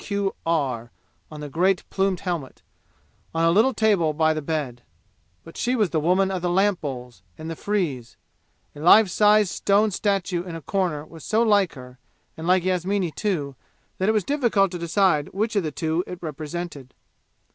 P. Q. R. on a great plumed helmet, on a little table by the bed. But she was the woman of the lamp bowls and the frieze. A life size stone statue in a corner was so like her, and like Yasmini too, that it was difficult to decide which of the two it represented.